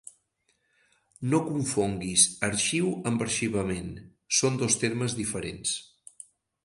No confonguis arxiu amb arxivament, són dos termes diferents.